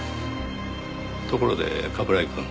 ところで冠城くん。